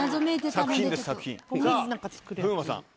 作品です作品さぁ風磨さん